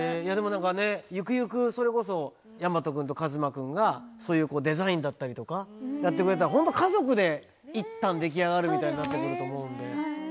ゆくゆくそれこそ大和君と和眞君がそういうデザインだったりとかやってくれたらホント家族で一反出来上がるみたいになってくると思うんで。